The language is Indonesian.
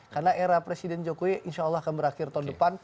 karena era presiden jokowi insya allah akan berakhir tahun depan